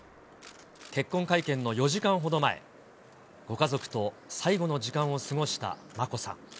結婚会見の４時間ほど前、ご家族と最後の時間を過ごした眞子さん。